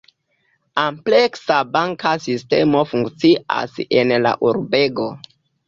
Ampleksa banka sistemo funkcias en la urbego.